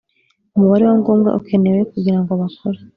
umubare wa ngombwa ukenewe kugira ngo bakore